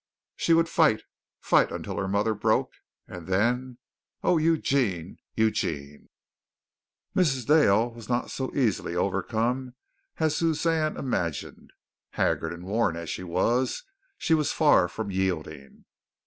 She would fight, fight until her mother broke, and then Oh, Eugene, Eugene! Mrs. Dale was not to be so easily overcome as Suzanne imagined. Haggard and worn as she was, she was far from yielding.